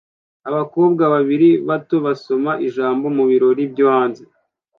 Abakobwa babiri bato basoma ijambo mubirori byo hanze